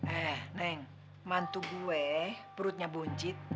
eh neng mantu gue perutnya buncit